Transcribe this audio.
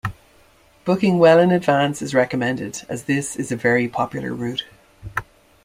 Booking well in advance is recommended, as this is a very popular route.